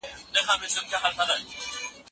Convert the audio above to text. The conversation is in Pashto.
تاسو د دغه ناول کومه برخه ډېره خوښه کړه؟